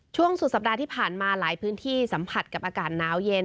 ช่วงสุดสัปดาห์ที่ผ่านมาหลายพื้นที่สัมผัสกับอากาศหนาวเย็น